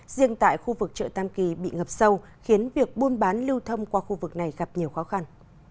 riêng tại khu vực chợ tam kỳ bị ngập sâu khiến việc buôn bán lưu thông qua khu vực này gặp nhiều khó khăn